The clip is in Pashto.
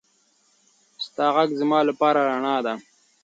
ستا غږ زما لپاره رڼا ده.